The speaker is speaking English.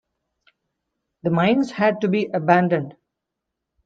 The mines had to be abandoned.